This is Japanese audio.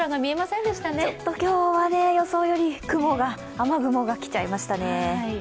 ちょっと今日は、予想より雨雲が来ちゃいましたね。